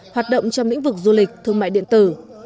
hoạt động trong lĩnh vực du lịch thương mại điện tử